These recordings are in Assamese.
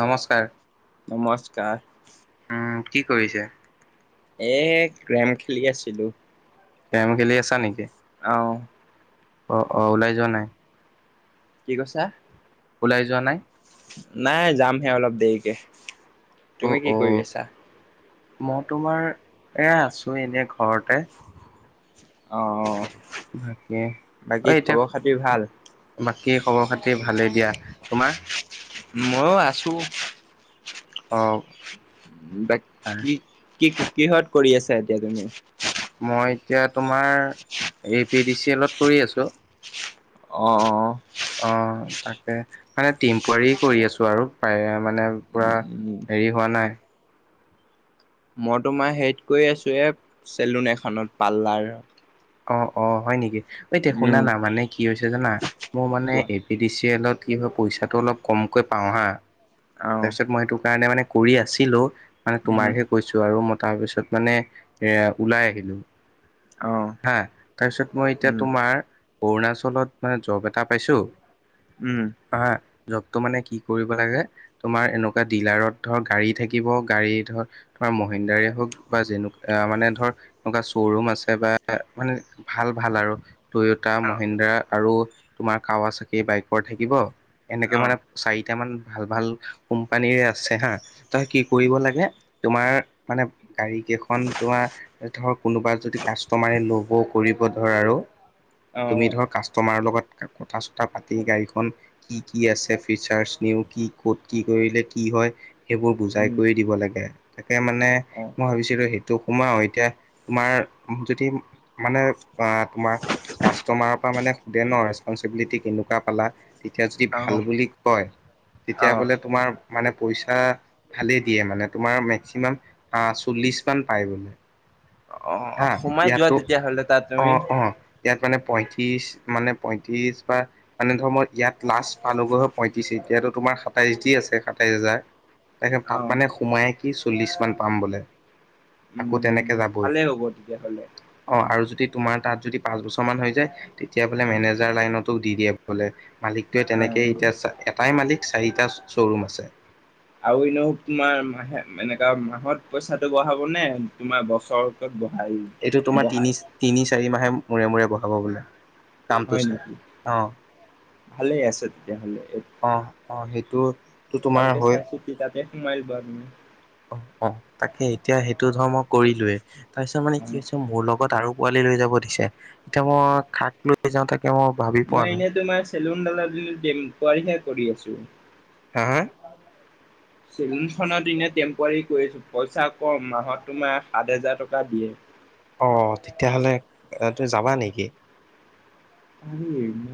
নমস্কাৰ, নমস্কাৰ উম কি কৰিছে? এ' গ্ৰেম খেলি আছিলো। তেম খেলি আছা নেকি? আও অহ - অহ ওলাই যোৱা নাই। কি কছা? ওলাই যোৱা নাই? নাই যামহে অলপ দেৰিকে, অ তুমি কি অ কৰি আছা? মই তোমাৰ, এয়া আছো এনে ঘৰতে। অ অ। বাকী অ, এতিয়া ব। ভাল [unintelligible] কি খবৰ খাতি ভালেই দিয়া৷ তোমাৰ? ময়ো আছো। অ। ব কি-কি কিহত কৰি আছা এতিয়া তুমি। মই এতিয়া তোমাৰ, এ পি ডি চি এলত কৰি আছোঁ। অ-অ-অ। অ তাকে মানে টিম পোৱাৰী কৰি আছো আৰু প্ৰায় মানে পুৰা। উম হেৰি হোৱা নাই। মই তোমাৰ হেত কৰি আছো এ চেলুন এখনত পাল্লাৰ। অ-অ হয় নেকি এতিয়া শুনানা মানে কি হৈছে জানা, মোৰ মানে কোৱা এ পি ডি চি এলত কি হয় পইচাটো অলপ কমকৈ পাওঁ হা আহ তাৰপিছত মই সেইটো কাৰণে মানে কৰি আছিলো মানে উম তোমাকহে কৈছো আৰু মই তাৰপিছত মানে এ ওলাই আহিলো৷ আহ হা তাৰপিছত মই এতিয়া উম তোমাৰ অৰুণাচলত মানে জব এটা পাইছো উম অহঁ জব সেইটো মানে কি কৰিব তোমাৰ এনেকুৱা ডিলাৰত ধৰ গাড়ী থাকিব গাড়ী ধৰ তো ম হওক বা [unintelligible] যেনে মানে ধৰ এনেকুৱা শ্ব'ৰুম আছে বা মানে ভাল-ভাল আৰু টয়োটা অ মহিন্দ্ৰা আৰু তোমাৰ কাৱা চাকি বাইকৰ থাকিব এনেকে অ মানে চাৰিটা মান ভাল-ভাল কোম্পানীৰে আছে হা তই কি কৰিব লাগে তোমাৰ মানে গাড়ী কেইখন তোমাৰ ধৰ কোনোবা যদি কাচ কাষ্টমাৰে ল'ব কৰিব ধৰ আৰু অ তুমি ধৰ কাষ্টমাৰৰ লগত কথা চথা পাতি গাড়ীখন কি-কি আছে ফিচাৰ্চ নিউ কি ক'ত কি কৰিলে কি হয় সেইবোৰ বুজাই উম কৰি দিব লাগে তাকে মানে মই অ ভাবিছিলো সেইটো সোমাও এতিয়া তোমাৰ যদি মানে তোমাৰ কাষ্টমাৰৰ পৰা মানে সোধে ন ৰেচপনঞ্চিবিলিটি কেনে পালা তেতিয়া যদি ভাল বুলি কয় অ তেতিয়া অ বোলে তোমাৰ মানে পইচা ভালেই দিয়ে মানে তোমাৰ মেক্সিমাম আ চল্লিশ মান পায় বোলে৷ আহ হা সোমাই যোৱা ইয়াতো তেতিয়াহ'লে তাত তুমি অ', অ', ৷ ইয়াত মানে পঁয়ত্ৰিশ মানে পঁয়ত্ৰিশ বা মানে ধৰ মৰ ইয়াত লাষ্ট পালগৈ হয় পঁয়ত্ৰিশ এ এতিয়াতো তোমাৰ সাতাইছ দি আছে সাতাইছ হাজাৰ ৷ তাকে অ তাত মানে সোমাইে কি চল্লিশ মান পাম বোলে ৷ উম। তেনেকে যাবই ভালেই হ'ব তেতিয়াহলে অ', আৰু যদি তোমাৰ তাত যদি পাঁচ বছৰ মান হৈ যায় তেতিয়া বোলে অ মেনেজাৰ লাইনতো দি দিয়ে বোলে ৷ মালিকটোৱে অ তেনেকেই এতিয়া এটাই মালিক চাৰিটা শ্ব'ৰুম আছে ৷ আৰু এনেও তোমাৰ মাহে এনেকা মাহত পইচাটো বঢ়াব নে তোমাৰ বছৰ ব এইটো তোমাৰ তিনি-তিনি চাৰি মাহে মূৰে-মূৰে বঢ়াব বোলে ৷ কামটো হয় চাই নেকি ভালেই আছে তেতিয়াহ'লে অহ-অহ-অহ সেইটো ত ভালকে চাই চিতি তাতে সোমাই লোৱা তুমি। অ তাকে এতিয়া সেইটো ধৰামই কৰিলোয়ে তাৰপিছত মানে অ কি হৈছে মোৰ লগত আৰু পোৱালি লৈ যাব দিছে এতিয়া মই কাক লৈ যাওঁ তাকে মই ভাবি পোৱা নাই চেলুনডালহা কৰি আছো [unintelligible] হা-হা? চেলুখনত ইনে টেম্পৰী কৰি আছো পইচা কম মাহত তোমাৰ সাত হাজাৰ টকা দিয়ে। অ তেতিয়াহ'লে তুমি যাবা নেকি? আ ম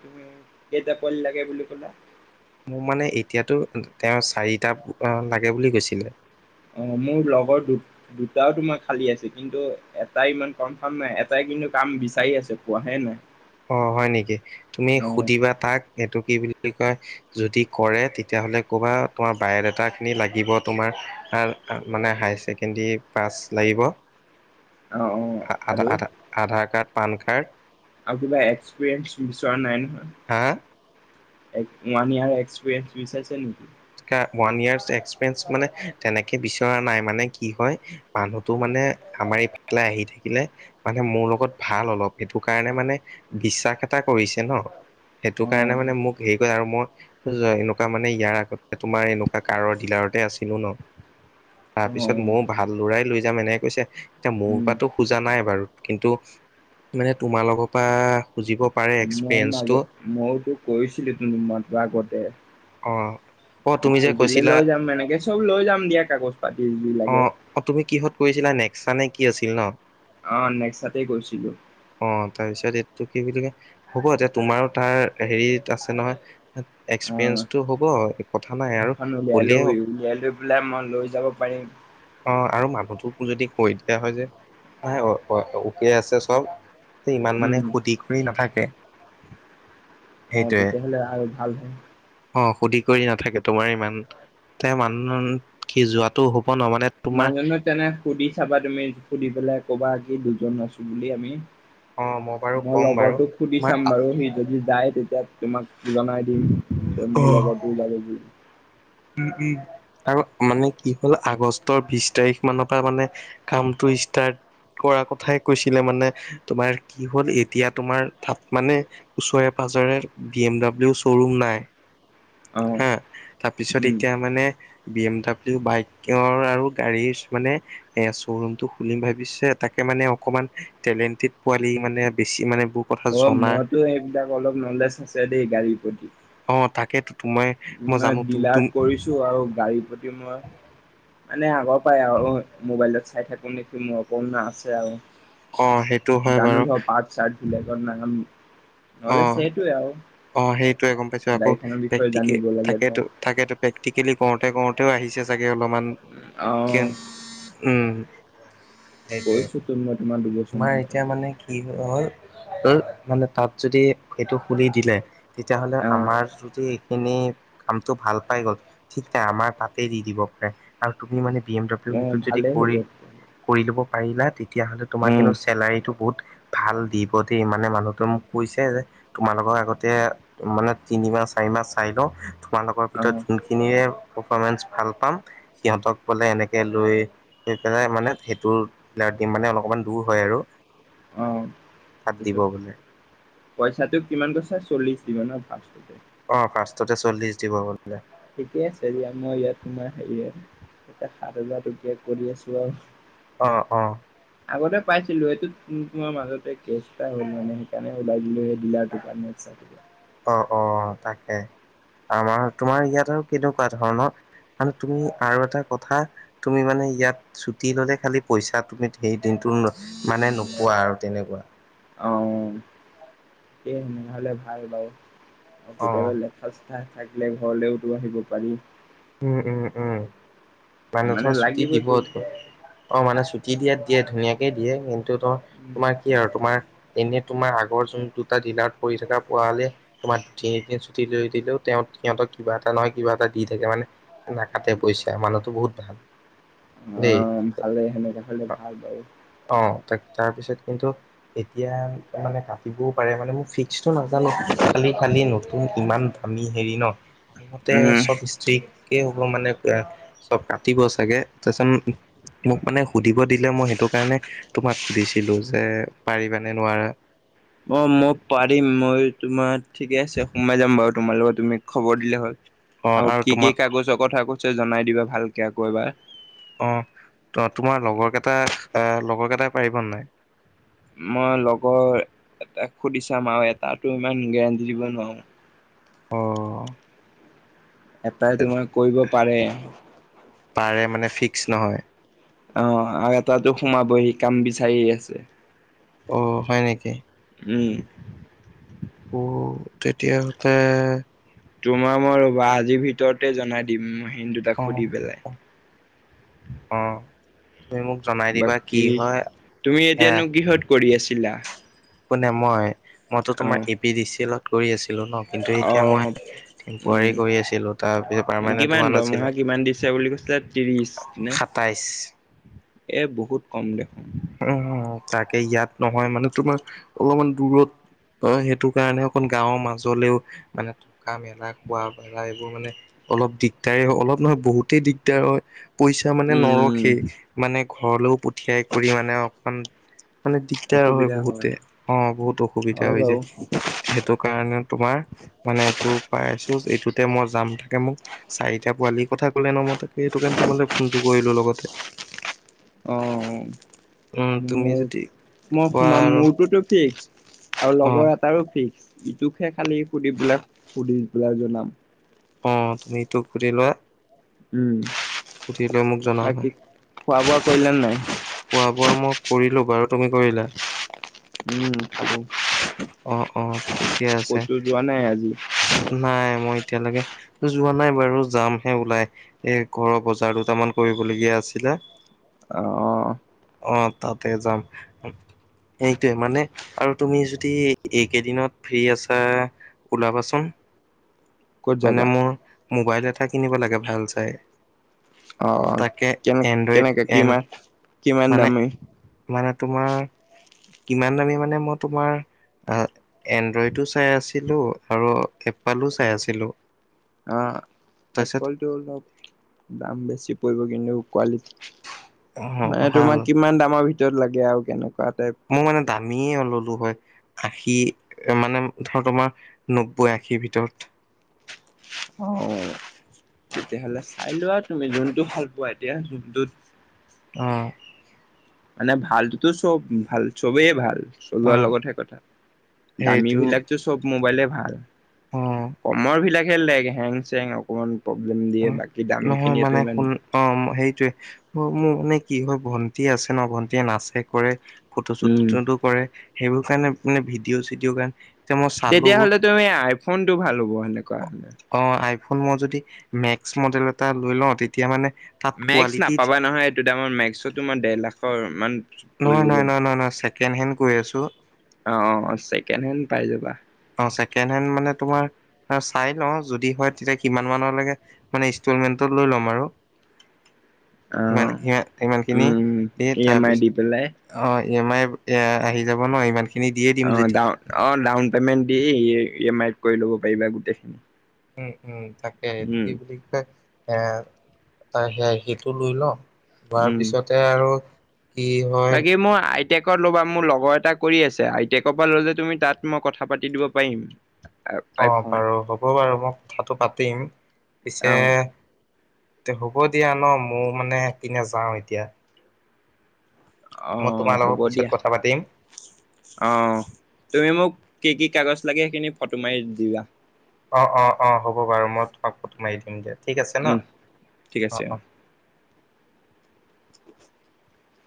তুমি গটা পলিল গে বুলিল কলা [unintelligible] মোক মানে এতিয়াতো তেওঁ চাৰিটা লাগে বুলি কৈছিলে৷ অ মোৰ লগৰ দু দুটাও তোমাৰ খালী আছে কিন্তু এটাই ইমান কনফাৰ্ম নাই এটাই কিন্তু কাম বিচাৰি আছে পোৱাহে নাই৷ অ হয় নেকি তুমি অ' সুধিবা তাক এইটো কি বুলি কয় যদি কৰে তেতিয়াহ'লে ক'বা তোমাৰ বায়'ডাটাখিনি লাগিব তোমাৰ আ মানে হায় ছেকেণ্ডৰী পাছ লাগিব৷ অ' অ' আ আধা আৰু আধাৰ কাৰ্ড পান কাৰ্ড আৰু কিবা এক্সপিৰিয়েঞ্চ বিচৰা নাই নহয়৷ হা ওৱান ইয়াৰ এক্সপিৰিয়েনঞ্চ বিচাৰিছে নেকি? ওৱান ইয়াৰ এক্সপিৰিয়েঞ্চ মানে তেনেকে বিচৰা নাই মানে কি হয় মানুহতো মা মানে আমাৰ ইফালে আহি থাকিলে মানে মোৰ লগত ভাল অলপ সেইটো কাৰণে মানে বিশ্বাস এটা কৰিছে ন সেইটো কাৰণে অ' মানে মোক হেৰি কৰে আৰু মই এনেকুৱা মানে ইয়াৰ আগত তোমাৰ এনেকুৱা কাৰৰ ডিলাৰতে আছিলো ন। অ' অ তাৰপিছত মও ভাল লৰাই লৈ যাম এনেক কৈছে, এতিয়া মোৰ উম। পাটো খোজা নাই বাৰু কিন্তু মানে তোমালোক পা সুজিব পাৰে মই এক্সপিৰিয়েঞ্চটো। মাজত মইতো কৈছিলো ত ত মাত আগতে [unintelligible] অ অ তুমি যে খুজিলে কৈছিলা লৈ যাম এনেকে চব লৈ যাম দিয়া কাগজ পাতি যি লাগে। অ-অ তুমি কিহত কৰিছিলা নে চানে কি আছিল ন? অ নেক্সাতে গৈছিলো। টো কি বুলি কয় হ'ব এতিয়া তোমাৰো তাৰ হেৰিত আছে নহয় এক্সপিৰিয়েঞ্চ তটো হ'ব আৰু৷ কথা নাই এখনো কলে ওলিয়ালো, অ ওলিয়াই লৈ পেলাই মই লৈ যাব পাৰিম। অ আৰু মানুহটোকো যদি কৈ দিয়া হয় যে আ উকে আছে চব, তে ইমান মানে উম। সুধি কৰি নাথাকে। অ সেইটোয়ে তেতিয়াহলে আৰু ভাল হয়। অ সুধি কৰি নাথাকে তোমাৰ ইমান তে মানুহ কি যোৱাতটো হব ন মানে তোমাৰ মানুহনে তেনে সুধি চাবা তুমি সুধি পেলাই কবা কি দুজন আছো বুলি আমি। অ বাৰু মই ক'ম বাৰু লগৰটোক সুধি তোমাৰ চাম বাৰু সি যদি যায় তেতিয়া তোমাক জনাই দিম মোৰ লগতো যাব বুলি ৷ উম-উম আৰু মানে কি হ'ল আগষ্টৰ বিশ তাৰিখ মান পা মানে কামটো ষ্টাৰ্ট কৰা কথাই কৈছিলে মানে তোমাৰ কি হ'ল এতিয়া তোমাৰ তাপ মানে ওচৰে পা পাজৰে বি এম ডাব্লিউ শ্ব'ৰুম নাই ৷ আহ পিছত এতিয়া মানে বি এম ডাব্লিউ বাইকৰ আৰু গাড়ীৰ মানে এ শ্ব'ৰুম টো খুলিম ভাবিছে তাকে মানে অকমান টেলেন্টি পোৱালি মানে বেছি মানে বু অ মইতো সেইবিলাক অলপ নলেজ আছে দেই গাড়ীৰ প্ৰতি অ তাকেইটো৷ ই ডিলাৰ্ট কৰিছো আৰু গাড়ীৰ প্ৰতি মই মানে আগৰ পৰাই আৰু মোবাইলত চাই থাকো নেকি মোৰ অপণ আছে অ' সেইটো আৰু৷ হয় বাৰু জানো ধৰ পাৰ্ট চাৰ্ট বিলাকত নাম নহলে অ' সেইটো আৰু অ সেইটোয়ে গম পাইছো। আকৌ গাড়ীখনৰ বিষয়ে প্ৰেকটিকেল জানিব লাগে ধৰ। থাকেতো-থাকেতো প্ৰেক্টিকেলি কৰোতে কৰোতেও আহিছে চাগে৷ অলপমান অ [unintelligible] উম সেইটোৱে কৈছো তো মই তোমাৰ দুবছৰমান তোমাৰ এতিয়া থাকো মানে কি হল মানে তাত যদি সেইটো খুলি দিলে তেতিয়াহলে অ আমাৰ যদি এনেই কামতটো ভাল পাই গ'ল ঠিক নাই আমাৰ তাতে দি দিব পাৰে আৰু তুমি মানে বি এম অ ডব্লিও ভালেই হ'ব কৰি, তেতিয়াহ'লে। কৰি লব পাৰিলা তেতিয়া হলে তোমাৰ কিন্ত উম। চেলাৰিটো বহুত ভাল দিব দেই মানে মানুহটো মোক কৈছে যে তোমালোকৰ আগত মানে তিনিমাহ চাৰি মাহ চাই লো, তোমালোকৰ অ ভিতৰত যোনখিনিয়ে প্ৰফমেন্স ভাল পাম সিহঁতক বলে এনেকে লৈ পেলাই মানে সেইটো দিম মানে অলপমান দূৰ হয় আৰু। অ তাত দিব তাৰপিছত বোলে। পইচাটো কিমান কৈছে চল্লি দিব ন ভাৰ অ', ফাষ্টতে চল্লিশ দিব বোলে। ঠিকে আছে দিয়া মই ইয়াত তোমাৰ হেৰি আৰু এয়া সাত হাজাৰ টকীয়া কৰি আছো আৰু। অ'- অ'। আগতে পাইছিলো সেইটো তোমাৰ মাজতে কেছ এটা হ'ল মানে সেইকাৰণে ওলাই দিলো সেই বিলাৰটো পান ইচ্ছা দিব। এ আমাৰ তোমাৰ ইয়াত আৰু কেনেকুৱা ধৰণৰ? ম তুমি আৰু এটা কথা তুমি মানে ইয়াত ছুটি ললে খালি পইচা তুমি সেই দিন মানে নোপোৱা আৰু তেনেকুৱা। অ'। সেইয়ে তেনেহলে ভাল বাৰু, অ কেতিয়াবা লেখ থাকিলে ঘৰলৈওতো আহিব পাৰি। উম'- উম'- উম', মানে ধৰ ছুটি দিব, লাগিবতো ঘৰত। অ', মানে দিয়াত দিয়ে ধুনীয়াকেই দিয়ে, কিন্তু তো তোমাৰ কি আৰু তোমাৰ এনে তোমাৰ আগৰ যোন দুটা জিলাত পৰি থকা পোৱা হলে তোমাৰ তিনিদিন ছুটি লৈ দিলেও সিহতক কিবা এটা নহয় কিবা এটা দি থাকে মানে নাকাটে পইচা মানুহ বহুত ভাল। দেই অ', ভালে সেনেুৱা হলে ভাল বাৰু। তাৰ পিছত কিন্তু এতিয়া মানে কাটিবও পাৰে মানে মোক টো নাজানো খালি-খালি নতুন ইমান দামী হেৰি ন? মতে উম, চব ষ্ট্ৰিকেই হ'ব মানে চব কাটিব চাগে তাৰিছত মোক মানে সুধিব দিলে মই সেইটো কাৰণে তোমাক সুধিছিলো যে পাৰিবানে নোৱাৰা। অ', মই পাৰিম মই তোমাৰ ঠিকে আছে সোমাই যাম বাৰু। তোমাৰ লগত তুমি খবৰ দিলে হ'ল অ আৰু কি-কি তোমাক কাগজৰ কথা কৈছ জনাই দিবা ভালকে আকৌ এবাৰ। অ', তোমাৰ লগৰ কেইটা লগৰ কেইটাই পাৰিবনে নাই? মই লগৰ এটা সুধি চাম আৰু এটাতো ইমান গেৰাণ্টি দিব নোৱাৰো। অ'। এটাই তোমাৰ কৰিব পাৰে। অ'। পাৰে মানে ফিক্স নহয় আৰু এটা সোমাব হি কাম বিচাৰি আছে। অ', হয় নেকি? উম, উম', তেতিয় হলে তোমাক মই ৰবা আজিৰ ভিতৰতে জনাই দিম। ইিন দুটা অ সুধি পেলাই। অ তুমি মোক জনাই দিবা কি বাকী হয় তুমি সেয়া এতিয়ানো কিহত কৰি আছিলা? কোনে মই, মইতো অ', তোমাৰ এ পি ডি চি এলত কৰি আছিলো ন? কিন্তু এতিয়া অ', উম। মই কৰি আছিলো তাৰ পিছত পাৰমানেন্ট কিমান হোৱা দৰমহা নাছিলে কিমান দিছে বুলি কৈছিলে ত্ৰিশ নে সাতাইছ। এ বহুত কম দেখোন। উম', তাকে ইয়াত নহয় মানে তোমাৰ অলপমান দূৰত অ', সেইটো কাৰণে অকন গাঁৱৰ মাজলেও মানে থকা মেলা খোৱা বা এইবোৰ মানে অলপ দিগদাৰে অলপ নহয় বহুতেই দিগদাৰ হয়। পইচা মানে উম নৰখেই মানে ঘৰলৈও পঠিয়াই কৰি মানে অকমান মানে দিগদাৰ হয় বহুতে। অ', বহুত অসুবিধা হয় হৈ যায়। বাৰু সেইটো কাৰণে তোমাৰ মানে এইটো পাই আছো এইটো তে মই যাম থাকে মোক চাৰিটা পোৱালি কথা কলে ন' মই তাকে সেইটো কাৰণেটো ফোনটো কৰিলো লগত। [inaudible] অহ, মই তুমি যদি -মই কোৱা সোমাম আৰু মোৰটোতো ফিক্স। আৰু অ লগৰ এটাৰো ফিক্স ইটোকহে খালি সুধি পেলাই -সুধি পেলাই জনাম। অ', তুমি এইটো সুধি লোৱা উম সুধিলৈ মোক জনাবা। বাকী খোৱা -বোৱা কৰিলা নেনাই? খোৱা -বোৱা মই কৰিলোঁ বাৰু তুমি কৰিলা? উম, খালোঁ। অহ - অহ ঠিকে আছে ক'তো যোৱা নাই আজি নাই মই এতিয়ালৈকে যোৱা নাই বাৰু যামহে ওলাই এ' ঘৰৰ বজাৰ দুটামান কৰিবলগীয়া আছিলে এ' আহ - অহ অহ তাতে যাম সেইটোৱে মানে আৰু তুমি যদ যদি এইকেইদিনত ফ্ৰী আছা ওলাবাচোন? ক'ত যাবা মানে মোৰ মোবাইল এটা কিনিব লাগে ভাল চাই অ তাকে কেনে এনড্ৰইড কেনেকে এন কিমান কিমান মানে- দামী মানে তোমাৰ কিমান দামী মানে মই তোমাৰ এনড্ৰইডো চাই আছিলো আৰু এপ্পালো চাই আছিলো। আহ তাৰপিছত এপলটো অলপ দাম বেছি পৰিব কিন্তু কোৱালিটি অ মানে ভাল তোমাক কিমান দামৰ ভিতৰত লাগে আৰু কেনেকুৱা? টাইপ মোৰ মানে দামীয়ে ল'লো হয়। আশী মানে ধৰ তোমাৰ নব্বৈ আশীৰ ভিতৰত অহ তেতিয়াহ'লে চাই লোৱা আৰু তুমি যোনটো ভাল পোৱা এতিয়া যোনটোত অহ মানে ভালতোটো চব ভাল -চবেই ভাল। অ চলোৱাৰ লগতহে কথা দামী সেইটো বিলাকতো চব মোবাইলে ভাল। অ কমৰ বিলাকহে লেগ হেং চেং অকমান প্ৰব্লেম দিয়ে বাকী দামী নহয় খিনিয়েতো মানে ইমান শুন অ' সেইটোৱে মোৰ মানে কি হয় ভন্টি আছে ন' ভন্টিয়ে নাচে কৰে উম ফটোশ্বুটজনটো কৰে সেইবোৰ কাৰণে মানে ভিডিঅ'- চিডিঅ গান তেতিয়াহলে তুমি আইফোনটো ভাল হ'ব সেনেকুৱা হলে ফোন মই যদি মেক্স মডেল এটা লৈ লও তেতিয়া মানে তাত মেক্স কোৱালিটিত নাপাবা নহয় এইটো দামৰ মেক্স টো তোমাৰ দেৰ লাখৰ মান নহয়- নহয় পৰিবগৈ নহ -নহ -নহ ছেকেণ্ড হেণ্ড কৈ আছো। অহ, ছেকেণ্ড হেণ্ড পাই যাবা। অ ছেকেণ্ড হেণ্ড মানে তোমাৰ চাই লওঁ যদি হয় তেতিয়া কিমান মানৰ লৈকে মানে ইষ্টলমেন্ট লৈ লম আৰু অ [inaudible] ইমান- ইমানখিনি উম দি ই এম আই তাৰপিছত দি পেলাই অহ। ই এম আই এ আহি যাব ন' ইমান খিনি অহ, ডা অ'ডাউন পেমেন্ট দি ইয়ে এম আইত কৰি ল'ব পাৰিবা গোটেই। উম -উম তাকে এইটো কি বুলি কয় এ' সেযাই সেইটো লৈ লওঁ লোৱাৰ উম। পিছতে আৰু কি হয় বাকী মোৰ আই টেকত ল'বা মোৰ লগৰ এটা কৰি আছে আই টেকৰ পৰা লোৱা যদি তুমি তাত মই কথা পাতি দিব পাৰিম। অহ, আইফোন বাৰু হ'ব বাৰু মই কথাটো পাতিম পিছে অ' তে হ'ব দিয়া ন' মও মানে একপিনে যাও এতিয়া। মই অহ তোমাৰ হ'ব লগত পিছত দিয়া কথা পাতিম আহ তুমি মোক কি কি কাগজ লাগে সেইখিনি ফটো মাৰি দিবা। অ-অ-অ হ'ব বাৰু মই তোমাক ফটো মাৰি দিম দে। ঠিক আছে ন উম ঠিক আছে অ'। অঁ-অঁ [unintelligible]